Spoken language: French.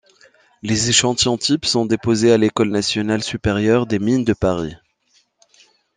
Les échantillons type sont déposés à l'École nationale supérieure des mines de Paris.